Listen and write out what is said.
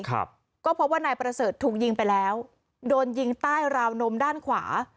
ครับก็พบว่านายประเสริฐถูกยิงไปแล้วโดนยิงใต้ราวนมด้านขวา